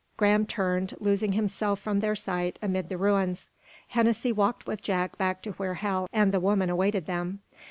Graham turned, losing himself from their sight amid the ruins. Hennessy walked with Jack back to where Hal and the woman awaited them.